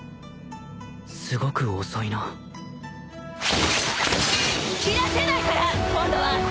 すごく遅いな斬らせないから！今度は。